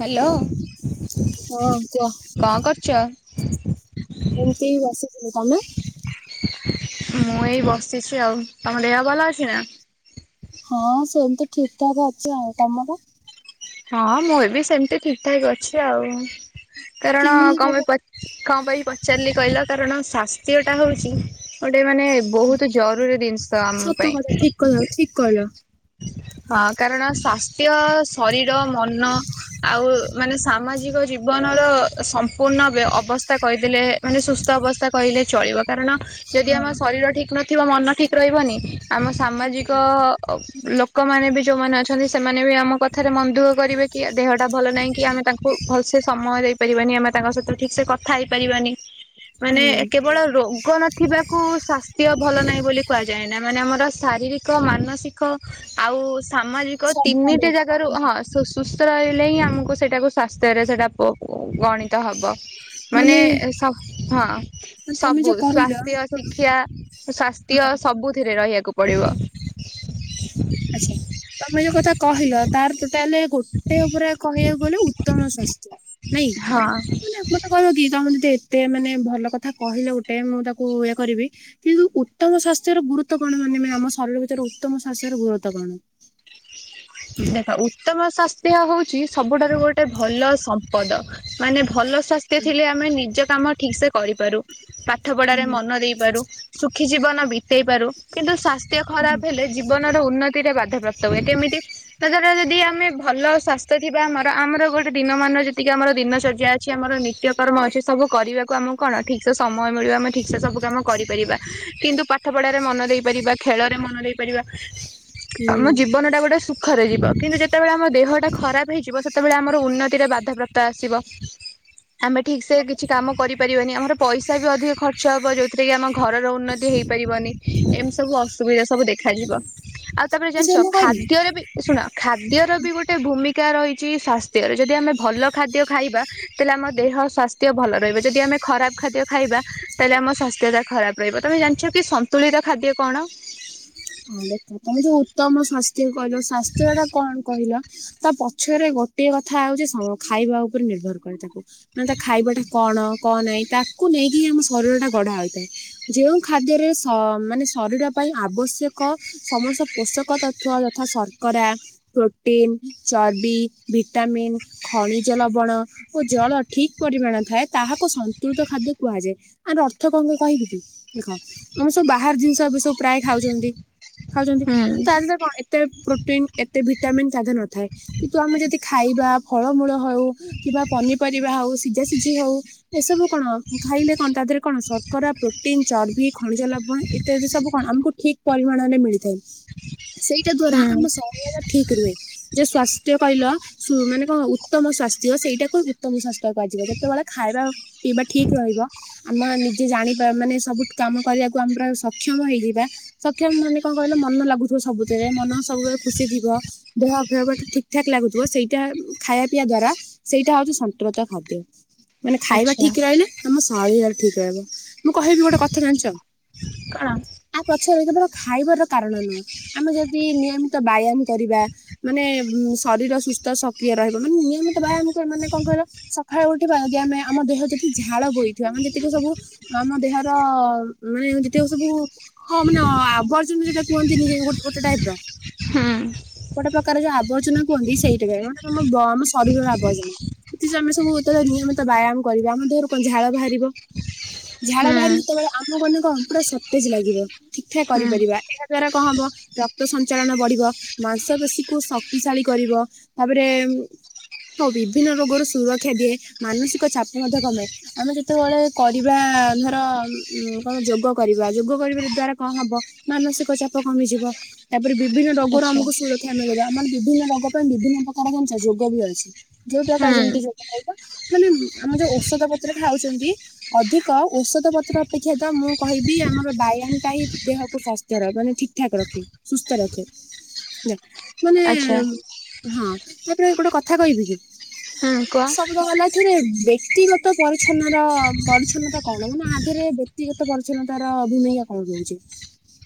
Hello. ହଁ କୁଅ? କଣ କରୁଚ? [inaudible] ଏମତି ବସିଥିଲି ତମେ? ମୁଁ ଏଇ ବସିଚି ଆଉ ତମ ଦେହ ଭଲ ଅଛି ନା? ହଁ ସେମିତି ଠିକ୍ ଠାକ୍ ଅଛି ଆଉ ତମର? ହଁ ମୁଁ ଏବି ସେମିତି ଠିକ୍ ଠାକ୍ ଅଛି ଆଉ କାରଣ କେମିତି କଣ କପାଇଁ ପଚା କଣ ପାଇଁ ପଚାରିଲି କହିଲ କାରଣ ସ୍ଵାସ୍ଥ୍ୟଟା ହଉଚି ଗୋଟେ ମାନେ ବହୁତ୍ ଜରୁରୀ ଜିନିଷ ଆମ ସତ କଥା ପାଇଁ। ଠିକ୍ କହିଲ ଠିକ୍ କହିଲ। ହଁ କାରଣ ସ୍ୱାସ୍ଥ୍ୟ, ଶରୀର, ମନ ଆଉ ମାନେ ସାମାଜିକ ଜୀବନର ସମ୍ପୂର୍ଣ୍ଣ ବ୍ୟ ଅବସ୍ଥା କହିଦେଲେ ମାନେ ସୁସ୍ଥ ଅବସ୍ଥା କହିଲେ ଚଳିବ କାରଣ ଯଦି ଆମ ହଁ। ଶରୀର ଠିକ୍ ନଥିବ ମନ ଠିକ୍ ରହିବନି ଆମ ସାମାଜିକ ଅଁ ଲୋକମାନେବି ଯୋଉମାନେ ଅଛନ୍ତି ସେମାନେବି ଆମ କଥାରେ ମନଦୁଃଖ କରିବେକି ଆଦେହଟା ଭଲ ନାହିଁକି ଆମେ ତାଙ୍କ କୁ ଭଲସେ ସମୟ ଦେଇ ପାରିବାନି ଆମେ ତାଙ୍କ ସହିତ ଠିକ୍ ସେ କଥା ହେଇପାରିବାନି ମାନେ ହୁଁ କେବଳ ରୋଗ ନ ଥିବାକୁ ସ୍ୱାସ୍ଥ୍ୟ ଭଲ ନାହିଁ ବୋଲି କୁହାଯାଏନା ମାନେ ଆମର ଶାରୀରିକ, ମାନସିକ ଆଉ ସାମାଜିକ ସବୁଆଡୁ ତିନିଟି ଯାକ୍ ହଁ ସୁ ସୁସ୍ଥ ରହିଲେ ହିଁ ଆମକୁ ସେଇଟାକୁ ସ୍ବାସ୍ଥ୍ୟରେ ସେଟା ପ, ଗଣି ତ ହବ ମାନେ ସ, ହଁ। ତମେ ସବୁ ଯୋଉ କହିଲ ହଁ ସ୍ଵାସ୍ଥ୍ୟ ଶିକ୍ଷା ସ୍ବାସ୍ଥ୍ୟ ସବୁଥିରେ ରହିବାକୁ ପଡ଼ିବ। ଆଚ୍ଛା ତମେ ଯୋଉ କଥା କହିଲ ତାର ଟୋଟାଲ ଗୋଟେ ଉପରେ କହିବାକୁ ଗଲେ ଉତ୍ତମ ସ୍ୱାସ୍ ନାଇଁ ହଁ। ମାନେ ତକଣକି ତମ ଯଦି ଏତେ ମାନେ ଭଲ କଥା କହିଲ ଗୋଟେ ମୁଁ ତାକୁ ଇଏ କରିବି କିନ୍ତୁ ଉତ୍ତମ ସ୍ୱାସ୍ଥ୍ୟର ଗୁରୁତ୍ୱ କଣ ମାନେ ଆମ ଶରୀର ଭିତରେ ଉତ୍ତମ ସ୍ୱାସ୍ଥ୍ୟର ଗୁରୁ ତ କଣ? ଦେଖା ଉ ଉତ୍ତମ ସ୍ୱାସ୍ଥ୍ୟ ହଉଛି ସବୁଠାରୁ ଗୋଟେ ଭଲ ସମ୍ପଦ ମାନେ ଭଲ ସ୍ୱାସ୍ଥ୍ୟ ଥିଲେ ଆମେ ନିଜ କାମ ଠିକସେ କରିପାରୁ ପାଠ ପଢାରେ ହୁଁ ମନ ଦେଇପାରୁ। ସୁଖୀ ଜୀବନ ବିତେଇ ପାରୁ, କିନ୍ତୁ ସ୍ଵାସ୍ଥ୍ୟ ହୁଁ। ଖରାପ ହେଲେ ଜୀ ଜୀବନ ର ଉନ୍ନତିରେ ବାଧାପାପ୍ତ ହୁଏ, କେମିତି ତଦ୍ଵାରା ଯଦି ଆମେ ଭଲ ସ୍ଵାସ୍ଥ୍ୟ ଥିବା ଆମର ଆମର ଗୋଟେ ଦିନମାନ ଯେତିକି ଆମର ଦିନଚର୍ଯ୍ୟା ଛି ଆମର ନିତ୍ୟକର୍ମ ଅଛି ସବୁ କରିବାକୁ ଆମକୁ କଣ ଠିକସେ ସମୟ ମିଳିବ। ଆମେ ଠିକସେ ସବୁ କାମ କରିପାରିବା। କିନ୍ତୁ ପାଠ ପଢାରେ ମନ ଦେଇପାରିବା, ଖେଳରେ ମନ ଦେଇ ପାରିବା। ହୁଁ। ଆମ ଜୀବନ ଟା ଗୋଟେ ସୁ ଖରେ ଯିବ, କିନ୍ତୁ ଯେତେବେଳେ ଆମ ଦେହଟା ଖରାପ ହେଇଯିବ ସେତେବେଳେ ଆମର ଉନ୍ନତିରେ ବାଧାପ୍ରାପ୍ତ ଆସିବ। ଆମେ ଠିକ୍ ସେ କିଛି କାମ କରିପାରିବାନି। ଆମର ପଇସା ବି ଅଧିକ ଖର୍ଚ୍ଚ ହବ, ଯୋଉଥିରେ କି ଆମ ଘରର ଉନ୍ନତି ହୋଇପାରିବନି। ଏମିତି ସବୁ ଅସୁ ସୁବିଧା ସବୁ ଦେଖାଯିବ। ଆଉ ତାପରେ ଜାଣିଛ ସେ ମୁଁ କହିବି ଖାଦ୍ୟରେ ବି ଏ ଶୁଣ ଖାଦ୍ୟର ବି ଗୋଟେ ଭୂମିକା ରହିଛି ସ୍ୱାସ୍ଥ୍ୟରେ, ଯଦି ଆମେ ଭଲ ଖାଦ୍ୟ ଖାଇବା ତାହେଲେ ଆମ ଦେହ ସ୍ୱାସ୍ଥ୍ୟ ଭଲ ରହିବ। ଯଦି ଆମେ ଖରାପ ଖାଦ୍ୟ ଖାଇବା ତାହେଲେ ଆମ ସ୍ୱାସ୍ଥ୍ୟଟା ଖରାପ ରହିବ। ତୋମେ ଜାଣିଛ କି ସନ୍ତୁଳିତ ଖାଦ୍ୟ କଣ? ହଁ ଦେଖ, ତୋମେ ଯୋଉ ଉତ୍ତମ ସ୍ୱାସ୍ଥ୍ୟ କହିଲ ସ୍ୱାସ୍ଥ୍ୟ ଟା କଣ କହିଲ? ତା ପଛରେ ଗୋଟିଏ କଥା ହଉଛି ସ-ଖାଇବା ଉପରେ ନିର୍ଭର କରେ ତାକୁ। ମାନେ ତା ଖାଇବାଟା କଣ କଣ ନାଇ ତାକୁ ନେଇକି ହିଁ ଆମ ଶରୀର ଟା ଗଢା ହୋଇଥାଏ। ଯେଉଁ ଖାଦ୍ୟରେ ଶ-ମାନେ ଶରୀଡ ପାଇଁ ଆବଶ୍ୟ କ ସମସ୍ତ ପୋଷକ ତତ୍ଥ ଯଥା ଶର୍କରା ପ୍ରୋଟିନ୍, ଚର୍ବି, ଭିଟାମିନ୍ ଖଣିଜ ଲବଣ ଓ ଜଳ ଠିକ ପରିମାଣ ଥାଏ ତାହାକୁ ସନ୍ତୁଳିତ ଖାଦ୍ୟ କୁହାଯାଏ। ଆର ଅର୍ଥ କଣ କଣ କହିବି କି? ଦେଖ ଆମେ ସବୁ ବାହାର ଜିନିଷ ଏବେ ସବୁ ପ୍ରାୟ ଖାଉଛନ୍ତି। ଖାଉଛନ୍ତି, ହୁଁ ତା ଦେହରେ କଣ ଏତେ ପ୍ରୋଟିନ୍ ଏତେ ଭିଟାମିନ୍ ତା ଦେହରେ ନଥାଏ। କିନ୍ତୁ ଆମେ ଯଦି ଖାଇବା ଫଳମୂଳ ହଉ କିମ୍ବା ପନିପରିବା ହଉ, ସିଝା ସିଝି ହଉ। ଏସବୁ କଣ ଖାଇଲେ କଣ ତା ଦେହରେ କଣ ଶର୍କରା, ପ୍ରୋଟିନ୍, ଚର୍ବି, ଖଣିଜ ଲବଣ ଏ ତେ ବି ସବୁ କଣ ଆମକୁ ଠିକ୍ ପରିମାଣରେ ମିଳିଥାଏ। ସେଇଟା ଦ୍ଵାରା ହୁଁ ଆମ ଶରୀର ର ଠିକ ରୁହେ। ଯେ ସ୍ୱାସ୍ଥ୍ୟ କହିଲ ସୁ-ମାନେ କଣ ଉତ୍ତମ ସ୍ୱାସ୍ଥ୍ୟ ସେଇଟାକୁ ଉତ୍ତମ ସ୍ୱାସ୍ଥ୍ୟ କୁହାଯିବ। ଯେତେବେଳେ ଖାଇବା ପିଇବା ଠିକ୍ ରହିବ ଆମ ନିଜେ ଜାଣି ପା-ମାନେ ସବୁ କାମ କରିବାକୁ ଆମେ ପୁରା ସକ୍ଷମ ହେଇଯିବା। ସକ୍ଷମ ମାନେ କଣ କହିଲ, ମନ ଲାଗୁଥିବ ସବୁଥିରେ ମନ ସବୁବେଳେ ଖୁସି ଥିବ। ଦେହ ଫେହ ବାକି ଠିକ୍ ଠାକ୍ ଲାଗୁଥୁବ ସେଇଟା ଖାଇବା ପିଇବା ଦ୍ଵାରା ସେଇଟା ହଉଛି ସନ୍ତଳିତ ଖାଦ୍ୟ। ମାନେ ଖାଇବା ଆଚ୍ଛା ଠିକ୍ ରହିଲେ ଆମ ଶରୀର ଠିକ୍ ରହିବ। ମୁଁ କହିବି ଗୋଟେ କଥା ଜାଣିଛ କଣ? ଛେଳି କେବଳ ଖାଇବାର କାରଣ ନୁହଁ, ଆମେ ଯଦି ନିୟମିତ ବ୍ୟାୟାମ କରିବା ମାନେ ଉଁ, ଶରୀର ସୁସ୍ଥ ସକ୍ରିୟ ରହିବ। ମାନେ ନିୟମିତ ବ୍ୟାୟାମ କଣ ମାନେ କଣ କହିଲ? ସଖାଳୁ ଉଠିବା ଯଦି ଆମେ ଆମ ଦେହ ଯଦି ଝାଳ ବୋଇଥିବ ଆମେ ଯେତିକି ସବୁ ଆମ ଦେହର ମାନେ ଯେତିକ ସବୁ ହଁ ମାନେ ଆବର୍ଜନ ଯେଟା କୁହନ୍ତିନି ଯେ ଗୋ-ଗୋଟେ ଟାଇପ୍ ର। ହଁ। ଗୋଟେ ପ୍ରକାର ଯୋଉ ଆବର୍ଜନା କୁହନ୍ତି ସେଇ [unintelligible] ମାନେ ତୋମ ବମ୍ ଶରୀରର ଆବର୍ଜନା। [unintelligible] ଯୋ ଆମେ ସବୁ ଯେତେଳେ ନିୟମିତ ବ୍ୟାୟାମ କରିବା ଆମ ଦେହରୁ କଣ ଝାଳ ବାହାରିବ। ଝାଳ ହୁଁ ବାହାରି ଯେତେବେଳେ ଆମ ମାନଙ୍କ ପୁରା ସତେଜ ଲାଗିବ। ଠିକ୍ ଠାକ ହୁଁ କରିପାରିବା। ଏହା ଦ୍ଵାରା କଣ ହବ? ରକ୍ତ ସଞ୍ଚାଳନ ବଢିବ, ମାଂସପେଶୀ କୁ ଶକ୍ତିଶାଳୀ କରିବ। ତାପରେ ଆଉ ବିଭିନ୍ନ ରୋଗର ସୁରକ୍ଷା ଦିଏ, ମାନସିକ ଚାପ ମଧ୍ୟ କମାଏ। ଆମେ ଯେତେବେଳେ କରିବା ଧର ଉଁ, କଣ ଯୋଗ କରିବା, ଯୋଗ କରିବାର ଦ୍ଵାରା କଣ ହବ ମାନସିକ ଚାପ କମିଯିବ। ତାପରେ ବିଭିନ୍ନ ରୋଗରୁ ଆଚ୍ଛା ଆମକୁ ସୁର କ୍ଷା ମିଳିବ, ଆମର ବିଭିନ୍ନ ରୋଗ ପାଇଁ ବିଭିନ୍ନ ପ୍ରକାର ଜିନିଷ, ଯୋଗ ବି ଅଛି। ଯୋଉ ପ୍ରକାର ଯେମିତି ହୁଁ ଯୋଗ କରିବା ମାନେ ଆମ ଯୋଉ ଔଷଧ ପତ୍ର ଖାଉଛନ୍ତି ଅଧିକ ଔଷଧ ପତ୍ର ଅପେକ୍ଷା ତ ମୁଁ କହିବି ଆମର ବ୍ୟାୟାମ ତାଇ ଦେହକୁ ସ୍ଵାସ୍ଥ୍ୟର ମାନେ ଠିକ ଠାକ ରଖେ ସୁସ୍ଥ ରଖେ ନା। ମାନେ ଆଚ୍ଛା ହଁ ତାପରେ ଗୋଟେ କଥା କହିବି କି ହୁଁ କୁହ। ସବୁଦ ଗଲା ଏଥିରେ ବ୍ୟକ୍ତିଗତ ପରିଚଛନ୍ନର ପରିଚ୍ଛନ୍ନତା କଣ ମାନେ ଆଦେହରେ ବ୍ୟକ୍ତିଗତ ପରିଚ୍ଛନ୍ନତାର ଭୂମିକା କଣ ରହୁଛି?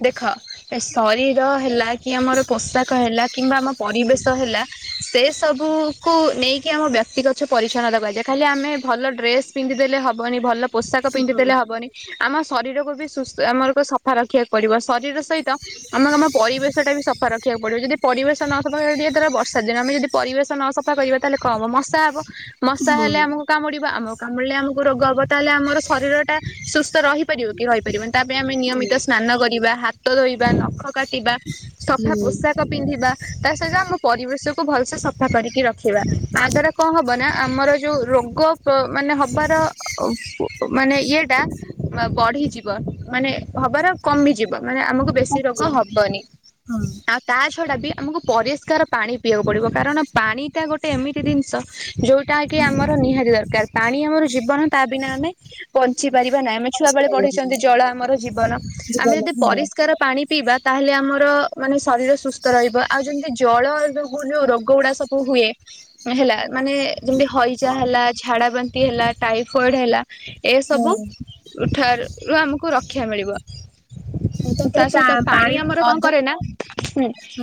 ଦେଖ ଏ ଶରୀର ହେଲା କି ଆମର ପୋଷାକ ହେଲା କିମ୍ବା ଆମ ପରିବେଶ ହେଲା ସେ ସବୁକୁୁ ନେଇକି ଆମ ବ୍ୟକ୍ତିଗଛ ପରିଚ୍ଛନତା କୁହାଯାଏ। ଖାଲି ଆମେ ଭଲ ଡ୍ରେସ ପିନ୍ଧିଦେଲେ ହବନି ଭଲ ପୋଷାକ ପିନ୍ଧିଦେଲେ ହବନି। ଆମ ଶରୀରକୁ ବି ସୁସ୍ଥ ଆମର ସଫା ରଖିବାକୁ ପଡିବ ଶରୀର ସହିତ ତ ଆମେ ଆମ ପରିବେଶ ଟା ବି ସଫା ରଖ ରଖିବାକୁ ପଡ଼ିବ ଯଦି ପରିବେଶ ନସଫା ଧର ବର୍ଷା ଦିନ ଆମେ ଯଦି ପରିବେଶ ନସଫା କରିବା ତାହେଲେ କଣ ହବ ମଶା ହେବ। ମଶା ହେଲେ ଆମକୁ କାମୁଡିବ ଆମକୁ କାମୁଡିଲେ ଆମକୁ ରୋଗ ହବ ତାହେଲେ ଆମର ଶରୀର ଟା ସୁସ୍ଥ ରହିପାରିବ କି ରହିପାରିବନି। ତା ପାଇଁ ଆମେ ନିୟମିତ ସ୍ନାନ କରିବା ହାତ ଧୋଇବା ନଖ କାଟିବା ସଫା ପୋଷାକ ପିନ୍ଧିବା ତା ସହିତ ଆମ ପରିବେଶକୁୁ ଭଲସେ ସଫା କରିକି ରଖିବା। ଆଗର କଣ ହବ ନା ଆମର ଯଉ ରୋଗ ମାନେ ହବାର ଅ ପ ମାନେ ଇଏଟା ମା ବଢିଯିବ ମାନେ ହବାର କମିଯିବ ମାନେ ଆମକୁ ବେଶୀ ରୋଗ ହେବନି। ଆ ତା ଛଡ଼ା ବି ଆମକୁ ପରିଷ୍କାର ପାଣି ପିଇବାକୁ ପଡ଼ିବ। କାରଣ ପାଣିଟା ଗୋଟେ ଏମିତି ଜିନିଷ ଯେଉଁ ଟା କିି ଆମର ନିହାତି ଦରକାର ପାଣି ଆମର ଜୀବନ ତା ବିନା ଆମେ ବଞ୍ଚି ପାରିବା ନାହିଁ। ଆମେ ଛୁଆବେଳେ ପଢିଛନ୍ତି ଜଳ ଆମର ଜୀବନ। ପରିସ୍କାର ପାଣି ପିଇବା ତାହେଲେ ଆମର ମାନେ ଶରୀର ସୁସ୍ଥ ରହିବ। ଆଉ ଯେମିତି ଜଳ ଯୋଗୁ ଯୋଉ ରୋଗଗୁଡା ସବୁ ହୁଏ ହେଲା ମାନେ ଯେମତି ହଇଜା ହେଲା ଝାଡା ବାନ୍ତି ହେଲା ଟାଇଫଏଡ ହେଲା ଏସବୁ ଉଠାରୁ ରୁ ଆମକୁ ରକ୍ଷା ମିଳିବ। ତା ତାପରେ ସହିତ ପାଣି ଆମର କଣ ଅଦା କରେ ନା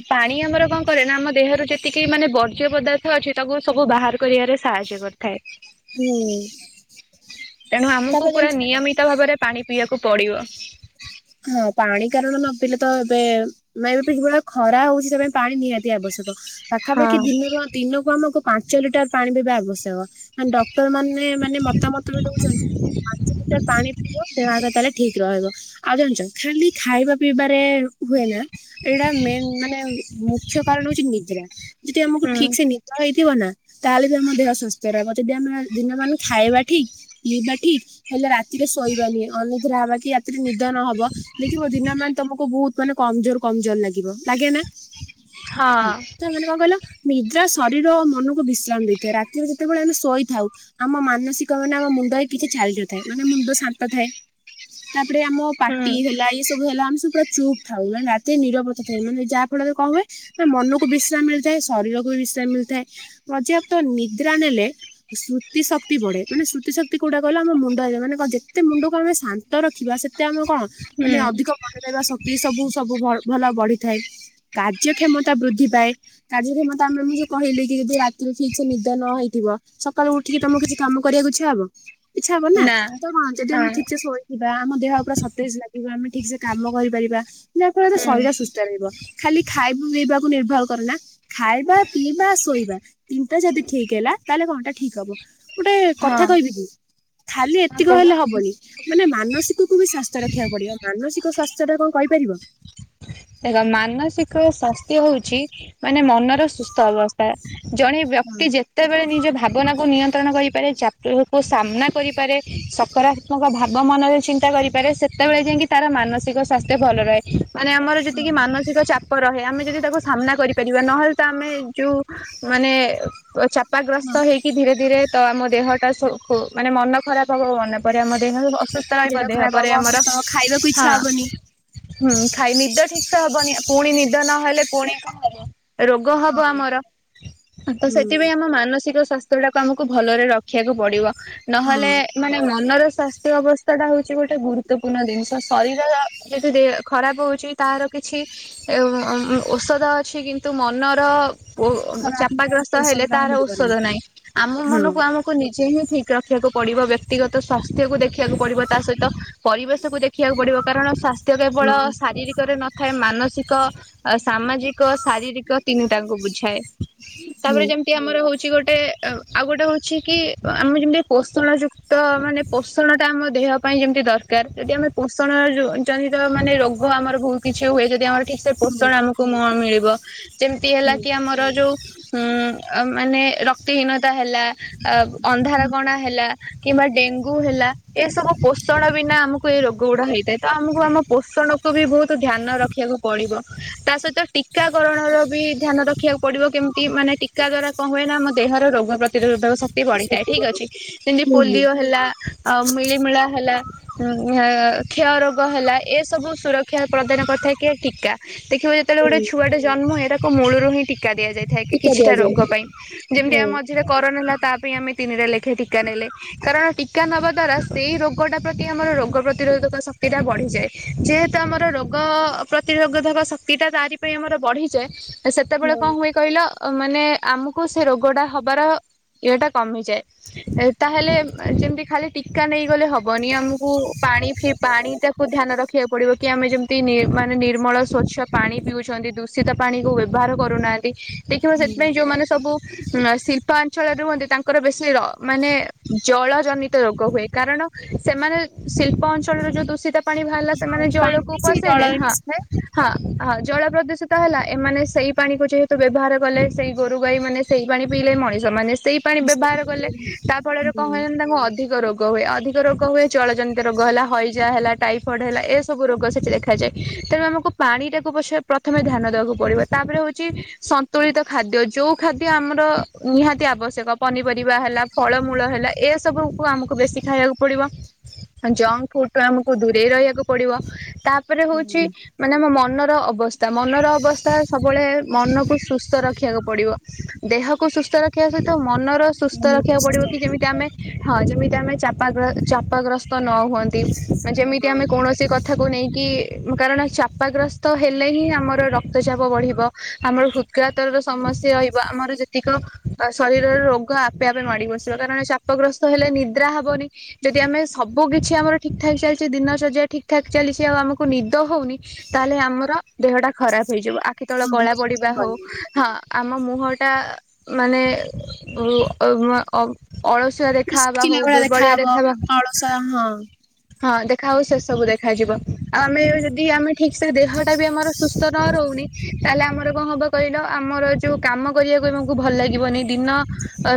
ପାଣି ଆମର କଣ କରେ ନା ଆମ ଦେହର ଯେତିକି ମାନେ ବର୍ଜ୍ୟ ପଦାର୍ଥ ଅଛି ତାକୁ ସବୁ ବାହାର କରିବାରେ ସାହାଯ୍ୟ କରିଥାଏ। ହୁଁ ତେଣୁ ଆମକୁ ତାପରେ ପୁରା ଜାଣିଛ ନିୟମିତ ଭାବରେ ପାଣି ପିଇବାକୁ ପଡିବ। ହଁ ପାଣି କାରଣ ନପିଇଲେ ତ ଏବେ ମେ ଏବେ କିଭଳିଆ ଖରା ହଉଛି ସେଥିପାଇଁ ପାଣି ନିହାତି ଆବଶ୍ୟକ ପାଖାପାଖି ହୁଁ ଦିନରୁ ଦିନକୁ ଆମକୁ ପାଞ୍ଚ ଲିଟର ପାଣି ପଇବା ଆବଶ୍ୟକ। ମାନେ ଡକ୍ଟର ମାନେ ମାନେ ମତାମତ ବି ଦଉଛନ୍ତି। ପାଞ୍ଚ ଲିଟର ପାଣି ପିଇବ ଦେହ ହାତ ତାହେଲେ ଠିକ ରହିବ। ଆଉ ଜାଣିଛ ଖାଲି ଖାଇବା ପିଇବାରେ ହୁଏନା ଏଇଟା ମେନ୍ ମାନେ ମୁଖ୍ୟ କାରଣ ହଉଛି ନିଦ୍ରା ଯଦି ଆମକୁ ଠିକ ସେ ନି ଦ ହେଇଥିବ ନା ତାହେଲେ ବି ଆମ ଦେହ ସୁସ୍ଥ ରହିବ। ଯଦି ଆମେ ଦିନ ମାନେ ଖାଇବା ଠିକ ପିଇବା ଠିକ ହେଲେ ରାତିରେ ଶୋଇବାନିି ଅନିଦ୍ରା ହେବା କି ରାତିରେ ନିଦ ନହବ ଦେଖ ଖିବ ଦିନ ମାନ ତମକୁ ବହୁତ ମାନେ କମଜୋର କମଜୋର ଲାଗିବ ଲାଗେନା। ହଁ ତ ମାନେ କଣ କହିଲ ନିଦ୍ରା ଶରୀର ଓ ମନକୁ ବିଶ୍ରାମ ଦେଇଥାଏ ରାତିରେ ଯେତେବେଳେ ଆମେ ଶୋଇଥାଉ ଆମ ମାନସିକ ମାନେ ଆମ ମୁଣ୍ଡରେ କିଛି ଛାଳି ନଥାଏ ମାନେ ମୁଣ୍ଡ ଶାନ୍ତ ଥାଏ। ତାପରେ ଆମ ହୁଁ ପାଟି ହେଲା ଇଏ ସବୁ ହେଲା ଆମେ ସବୁ ପୁରା ଚୁପ୍ ଥାଉ ମାନେ ରାତିରେ ନିରବତା ଥାଏ ମାନେ ଯାହା ଫଳରେ କଣ ହୁଏ ନା ମନକୁ ବିଶ୍ରାମ ମିଳିଥାଏ ଶରୀରକୁ ବିଶ୍ରାମ ମିଳିଥାଏ। ପର୍ଯ୍ୟାପ୍ତ ନିଦ୍ରା ନେଲେ ସ୍ମୁତି ଶକ୍ତି ବଢେ ମାନେ ସ୍ମୁତି ଶକ୍ତି କୋଉଟା କହିଲ ଆମ ମୁଣ୍ଡ ମାନେ ଯେତେ ମୁଣ୍ଡକୁ ଆମେ ଶାନ୍ତ ରଖିବା ସେ ତେ ଆମେ କଣ ହୁଁ ମାନେ ଅଧିକ ମନେ ରହିବା ଶକ୍ତି ସବୁ ସବୁ ଭଲ ଭଲ ବଢିଥାଏ। କାର୍ଯ୍ୟକ୍ଷ୍ଷମତା ବୃଦ୍ଧି ପାଏ। କାର୍ଯ୍ୟକ୍ଷମତା ଆମେ ମୁଁ ଯୋଉ କହିଲି କି ଯଦି ରାତିରୁ ଠିକ୍ ସେ ନିଦ ନ ହେଇଥିବ ସକ୍ ସକାଳୁ ଉଠିକି ତମକୁ କିଛି କାମ କରିବାକୁ ଇଚ୍ଛା ହବ? ଇଚ୍ଛା ହବନି ନା ତ କଣ ଯଦି ହଁ ଆମେ ଠିକ୍ ସେ ଶୋଇଥିବା ଆମ ଦେହ ପୁରା ସତେଜ ଲାଗିବ ଆମେ ଠିକ୍ ସେ କାମ କରିପାରିବା ଯାହାଫଳରେ ହୁଁ ଶରୀର ସୁ ସୁସ୍ଥ ରହିବ ଖାଲି ଖାଇବା ପିଇବାକୁ ନିର୍ଭର କରନା ଖାଇବା ପିଇବା ଶୋଇବା ତିନିଟା ଯଦି ଠିକ ହେଲା ତାହେଲେ କଣଟା ଠିକ ହବ? ଗୋଟେ ହଁ କଥା କହିବିି କି ଖାଲି ହଁ ଏତିକ କହୁନ। ହେଲେ ହବନି ମାନେ ମାନସି କ ବି ସାସ୍ଥ ରଖିବାକୁ ପଡିବ। ମାନସିକ ସ୍ୱାସ୍ଥ୍ୟ ଟା କଣ କହିପାରିବ? ଦେଖ ମାନସିକ ସ୍ୱାସ୍ଥ୍ୟ ହଉଚି ମାନେ ମନର ସୁସ୍ଥ ଅବସ୍ଥା। ଜଣେ ହଁ ବ୍ୟକ୍ତି ଯେ ତେବେଳେ ନିଜ ଭାବନାକୁ ନିୟନ୍ତ୍ରଣ କରିପାରେ ଚାପକୁ ସାମ୍ନା କରିପାରେ ସକରା ତ୍ମକ ଭାବ ମନରେ ଚିନ୍ତା କରିପାରେ ସେତେବେଳେ ଯାଇକି ତାର ମାନସିକ ସ୍ୱାସ୍ଥ୍ୟ ଭଲ ରହେ। ମାନେ ଆମର ହଁ ଯେତିକି ହଁ। ମାନସିକ ଚା ପ ରହେ ଆମେ ଯଦି ତାକୁ ସାମ୍ନା କରିପାରିବା ନହେଲେ ତ ଆମେ ଯୋଉ ମାନେ ଅ ଚା ପାଗ୍ରସ୍ତ ହେଇକି ଧୀରେ ଧୀରେ ତ ଆମ ଦେହଟା ସୋଖ ମାନେ ମନ ଖରାପ ହବ ମନ୍ ପରେ ଆମ ଦେହ ଅ ସୁସ୍ଥ ରହିବ ଦେହ ଖରାପ ପରେ ହବ ଆମର ଅସୁସ୍ଥ ହବ ଖାଇବାକୁ ଇଚ୍ଛା ହଁ। ହବନି। ହୁଁ ଖାଇ ନିଦ ଠିକ ସେ ହବନି ପୁଣି ନିଦ ନହେଲେ ପୁଣି ରୋଗ ହବ ହଁ ଆମର। ତ ହୁଁ। ସେଥିପାଇଁ ଆମ ମାନସିକ ସ୍ୱାସ୍ଥ୍ୟଟୁାକୁ ଆମକୁ ଭଲରେ ରଖ ଖିବାକୁ ପଡିବ। ନହଲେ ହଁ ମାନେ ମନର ସ୍ୱାସ୍ଥ୍ୟ ଅବସ୍ଥା ଟା ହଉଚି ଗୋଟେ ଗୁରୁତ୍ୱପୂର୍ଣ୍ଣ ଜିନିଷ। ଶରୀରର ଯଦି ଖରାପ ହେଉଚି ତାହାର କିଛି ଉଁ ଔଷଧ ଅଛି। କିନ୍ତୁ ମନର ଓ ଓ ଖରାପ ଚାପାଗ୍ରସ୍ତ ଔଷଧ ହେଲେ ତାହା ତାର ମିଳିବନି। ଔଷଧ ନାହିଁ। ଆମ ହଁ ମନକୁ ଆମ କୁ ନିଜେ ହିଁ ଠିକ ରଖିବାକୁ ପଡିବ ବ୍ୟକ୍ତିଗତ ସ୍ୱାସ୍ଥ୍ୟ କୁ ଦେଖିବାକୁ ପଡିବ ତା ସହିତ ପରିବେଶକୁୁ ଦେଖିବାକୁ ପଡିବ କାରଣ ସ୍ୱାସ୍ଥ୍ୟ କେବଳ ହଁ ଶାରୀରି କରେ ନଥାଏ ମାନସିକ ଆ ସାମାଜି କ ଶାରୀରିକ ତିନି ଟା କୁ ବୁଝାଏ। ହୁଁ ତାପରେ ଯେମ ତି ଆମର ହଉଚି ଗୋଟେ ଅ ଆଉ ଗୋଟେ ହଉଛି କି ଆମେ ଯେମିତି ପୋଷଣ ଯୁ କ୍ତ ମାନେ ପୋଷଣଟା ଆମ ଦେହ ପାଇଁ ଯେମିତି ଦରକାର। ଯଦି ଆମେ ପୋଷଣ ର ଛନ୍ତି ତ ମାନେ ରୋଗ ଆମର ବହୁତ କିଛି ହୁଏ ଯଦି ଆମର ଠିକ ସେ ହୁଁ ପୋଷଣ ଆମକୁ ନ ମିଳିବ। ଯେମିତି ହେଲା ହୁଁ କି ଆମର ଯୋଉ ଉଁ ଆଉ ମାନେ ରକ୍ତହୀନତା ହେଲା ଆ ଅନ୍ଧାର କଣା ହେଲା କିମ୍ବା ଡେଙ୍ଗୁ ହେଲା ଏ ସବୁ ପୋଷଣ ବିନା ଆମକୁ ଏଇ ରୋଗ ଗୁଡା ହେଇଥାଏ। ତ ଆମକୁ ଆମ ପୋଷଣକୁ ବି ବହୁତ ଧ୍ୟାନ ରଖିବାକୁ ପଡିବ। ତା ସହିତ ଟୀକରଣର ର ବି ଧ୍ୟାନ ରଖିବାକୁ ପଡିବ କେମିତି ମାନେ ଟିକା ଦ୍ଵାରା କଣ ହୁଏ ନା ଆମ ଦେହର ରୋଗ ପ୍ରତିରୋଧକ ଶକ୍ତି ବଢିଥାଏ ଠିକ ହୁଁ। ଅଛି। ସେମିତି ହୁଁ ପୋଲିଓ ହେଲା ଆଉ ମିଳିମିଳା ହେଲା ଉଁ କ୍ଷୟରୋ ଗ ହେଲା ଏ ସବୁ ସୁରକ୍ଷା ପ୍ରଦାନ କରିଥାଏ କିଏ ଟୀକା। ଦେଖିବ ଯେତେବେଳେ ଗୋଟେ ହୁଁ ଛୁଆଟେ ଜନ୍ମ ଏଟାକୁ ମୂଳରୁ ହିଁ ଟୀକା ଦିଆଯାଇଥାଏ ଟୀକା କିଛିଟା ଦିଆଯାଏ। ରୋଗ ପାଇଁ। ଯେମିତି ହଁ ଆମ [unintelligible] କରୋନା ହେଲା ତା ପାଇଁ ଆମେ ତିନିଟା ଲେଖାଏ ଟିକା ନେଲେ। କାରଣ ଟୀକା ନବା ଦ୍ଵାରା ସେଇ ରୋଗ ଟା ପ୍ରତି ଆମର ରୋଗ ପ୍ରତିରୋଧକ ଶ କ୍ତିଟା ବଢିଯାଏ। ଯେହେତୁ ଆମର ରୋଗ ପ୍ରତିରୋଗଧକ ଶକ୍ତିଟା ତାରି ପାଇଁ ଆମର ବଢିଯାଏ ତ ସେତେବେଳେ ହଁ କଣ ହୁଏ କହିଲ ମାନେ ଆମକୁ ସେ ରୋଗ ଟା ହବାର ଇଏଟା କମିଯାଏ। ତାହେଲେ ଯେମିତି ଖାଲି ଟିକା ନେଇଗଲେ ହବନି ଆମକୁ ପାଣି ଫି ପାଣି ଟାକୁ ଧ୍ୟାନ ରଖିବାକୁ ପଡିବ କି ଆମେ ଯେମିତି ନି ମାନେ ନିର୍ମଳ ସ୍ଵଚ୍ଛ ପାଣି ପିଉଛନ୍ତି। ଦୂ ଷିତ ପାଣି କୁ ବ୍ୟବହାର କରୁନାହାନ୍ତି। ଦେଖିବ ହୁଁ ସେଥିପାଇଁ ଯୋଉମାନେ ସବୁ ଉଁ ସି ଳ୍ପା ଅଞ୍ଚଳରେ ରୁହନ୍ତି ତାଙ୍କର ବେଶୀ ର ମାନେ ଜଳ ଜନିତ ରୋଗ ହୁଏ। କାରଣ ସେମାନେ ଶିଳ୍ପ ଅଞ୍ଚଳରେ ଯୋଉ ଦୂଷିତ ପାଣି ବାହାରିଲା ଆଉ ସେମାନେ ପାଣି ଜଳକୁ ବି ସେଇ ପଶେଇଲେ ଜଳରେ ହଁ। ମିଶିଥାଏ। ହଁ ହଁ ଜଳ ପ୍ରଦୂଷିତ ହେଲା ଏମାନେ ସେଇ ପାଣି କୁ ଯେହେତୁ ବ୍ୟବହାର କଲେ ସେଇ ଗୋରୁ ଗାଈ ମାନେ ସେଇ ପାଣି ପିଇଲେ ମଣିଷ ମାନେ ସେଇ ପାଣି ବ୍ୟବହାର କଲେ ତା ଫଳରେ କଣ ହୁଏ ତାଙ୍କୁ ଅଧିକ ରୋ ଗ ହୁଏ। ଅଧିକ ରୋଗ ହୁଏ ଜଳଜନିତ ରୋଗ ହେଲା ହଇଜା ହେଲା ଟାଇଫଏଡ଼୍ ହେଲା ଏସବୁ ରୋଗ ସେଠି ଦେଖାଯାଏ। ତେଣୁ ଆମକୁ ପାଣିଟାକୁ ପଛେ ପ୍ରଥମେ ଧ୍ୟାନ ଦେବାକୁ ପଡିବ। ତାପରେ ହଉଚି ସନ୍ତୁଳିତ ଖାଦ୍ୟ ଯୋଉ ଖାଦ୍ୟ ଆମର ନିହାତି ଆବଶ୍ୟକ ପନିପରିବା ହେଲା ଫଳମୂଳ ହେଲା ଏ ସବୁକୁ ଆମକୁ ବେଶୀ ଖାଇବାକୁ ପଡିବ। ଜଙ୍କ ଫୁଡଠୁ ଆମକୁ ଦୂରେଇ ରହିବାକୁ ପଡିବ ତାପରେ ହଉଛି ମାନେ ଆମ ମନର ଅବସ୍ଥା ମନର ଅବସ୍ଥା ସବୁବେଳେ ମନକୁ ସୁସ୍ଥ ରଖିବାକୁ ପଡିବ। ଦେହକୁ ସୁସ୍ଥ ରଖିବା ସହିତ ମନର ସୁସ୍ଥ ରଖିବାକୁ ପଡିବ କି ଯେମିତି ଆମେ ହଁ ଯେମିତି ଆମେ ଚାପାଗ୍ର ଚାପାଗ୍ରସ୍ତ ନ ହୁଅ ମାନେ ଯେମିତି ଆମେ କୌଣସି କ ଥାକୁ ନେଇକି କାରଣ ଚାପାଗ୍ରସ୍ତ ହେଲେ ହିଁ ଆମର ରକ୍ତଚାପ ବଢ଼ିବ। ଆମର ହୃତଘାତ ର ସମସ୍ୟା ରହିବ ଆମର ଯେତିକ ଶରୀରର ରୋ ଗ ଆପେ ଆପେ ମାଡି ବସିବ କାରଣ ଚାପ ଗ୍ରସ୍ତ ହେଲେ ନିଦ୍ରା ହବନି ଯଦି ଆମେ ସବୁ କିଛି ଆମର ଠିକ୍ ଠାକ୍ ଚାଲିଛି ଦିନ ଶଯ୍ୟା ଠିକ୍ ଠାକ୍ ଚାଲିଛି ଆଉ ଆମକୁ ନିଦ ହେଉନି ତାହେଲେ ଆମର ଦେହଟା ଖରାପ ହେଇଯିବ। ଆଖି ତଳ କଳା ପଡିବା ହଉ ହଁ ଆମର ମୁହଁଟା ମାନେ ଉ-ଉ-ଅ-ଅ ଅଳସୁଆ ଦେଖାବା ହଉ ଦୁର୍ବଳିଆ ଦେଖାବା ସା ହଁ। ହଁ ଦେଖା ହଉ ସେ ସବୁ ଦେଖାଯିବ ଆଉ ଆମେ ଯଦି ଆମେ ଠିକ ସେ ଦେହଟା ବି ଆମର ସୁସ୍ଥ ନ ରହୁନି ତାହେଲେ ଆମର କଣ ହବ କହିଲ ଆମର ଯୋଉ କାମ କରିବାକୁ ଆମକୁ ଭଲ ଲାଗିବନି ଦିନ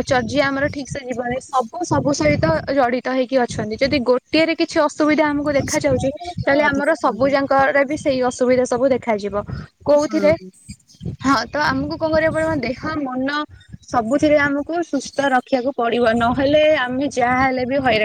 ଚର୍ଯ୍ୟା ଆମର ଠିକ ସେ ଯିବନି ସବୁ ସବୁ ସହିତ ଜଡିତ ହେଇକି ଅଛନ୍ତି ଯଦି ଗୋଟିଏରେ କିଛି ଅସୁବିଧା ଆମକୁ ଦେଖାଯାଉଛି ଅସୁବିଧା ତାହେଲେ ଅଧିକ ଆମର ପଡିବ ସବୁଯାଙ୍କରେ ବି ସେଇ ଅସୁବିଧା ସବୁ ଦେଖାଯିବ ହଁ। କୋଉଥିରେ ହଁ ତ ଆମକୁ କଣ କରିବା ପଡ଼ିବ ନାଁ ଦେହ ମନ ସବୁଥିରେ ଆମକୁ ସୁସ୍ଥ ରଖିବାକୁ ପଡିବ ନହେଲେ ଆମେ ଯାହାହେଲେ ବି ହଇରାଣ